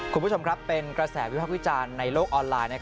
คุณผู้ชมครับเป็นกระแสวิพักวิจารณ์ในโลกออนไลน์